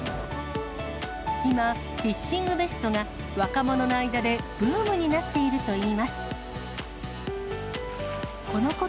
今、フィッシングベストが、若者の間でブームになっているといいます。